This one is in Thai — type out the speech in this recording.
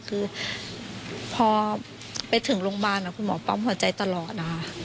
คือพอไปถึงโรงพยาบาลคุณหมอปั๊มหัวใจตลอดนะคะ